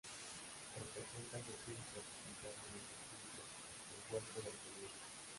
Representa a Jesús resucitado en el sepulcro del Huerto de los olivos.